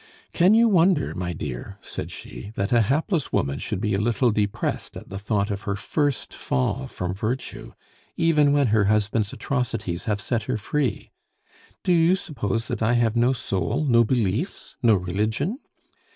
"Can you wonder, my dear," said she, "that a hapless woman should be a little depressed at the thought of her first fall from virtue, even when her husband's atrocities have set her free? Do you suppose that I have no soul, no beliefs, no religion?